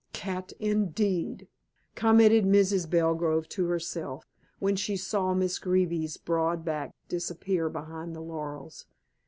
"Cat, indeed!" commented Mrs. Belgrove to herself when she saw Miss Greeby's broad back disappear behind the laurels.